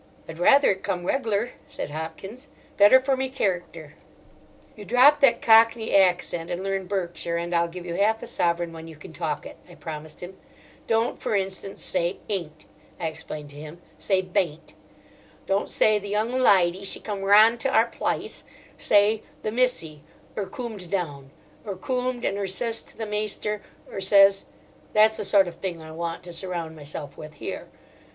"I'd rather it come reggler," said Hopkins. "Better for me kerrickter." "You drop that Cockney accent and learn Berkshire, and I'll give you half a sovereign when you can talk it," I promised him. "Don't, for instance, say 'ain't,'" I explained to him. "Say 'bain't.' Don't say 'The young lydy, she came rahnd to our plice;' say 'The missy, 'er coomed down; 'er coomed, and 'er ses to the maister, 'er ses ...' That's the sort of thing I want to surround myself with here.